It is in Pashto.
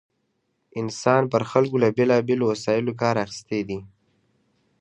انسان پر خلکو له بېلا بېلو وسایلو کار اخیستی دی.